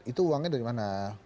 itu uangnya dari mana